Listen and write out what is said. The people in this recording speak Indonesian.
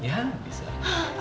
saya masih ada kerjaan